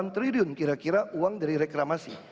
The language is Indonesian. satu ratus lima puluh delapan triliun kira kira uang dari reklamasi